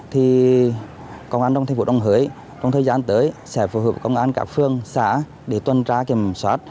thì công an trong thành phố đồng hới trong thời gian tới sẽ phù hợp với công an các phương xã để tuần tra kiểm soát